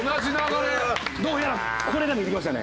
どうやらこれが出てきましたね。